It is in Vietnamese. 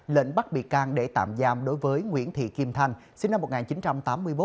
lệnh bắt bị can để tạm giam đối với nguyễn thị kim thanh sinh năm một nghìn chín trăm tám mươi một